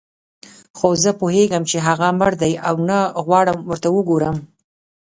خو زه پوهېږم چې هغه مړ دی او نه غواړم ورته وګورم.